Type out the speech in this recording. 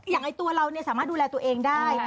อย่างตัวเราสามารถดูแลตัวเองได้